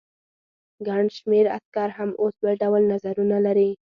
ګڼ شمېر عسکر هم اوس بل ډول نظرونه لري.